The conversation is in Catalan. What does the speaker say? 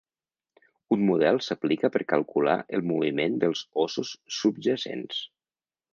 Un model s'aplica per calcular el moviment dels ossos subjacents.